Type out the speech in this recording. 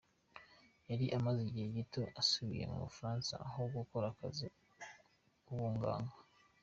Yari amaze igihe gito asubiye mu Bufaransa aho akora akazi k’ubuganga.